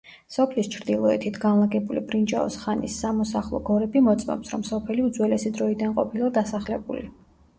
სოფლის ჩრდილოეთით განლაგებული ბრინჯაოს ხანის სამოსახლო გორები მოწმობს, რომ სოფელი უძველესი დროიდან ყოფილა დასახლებული.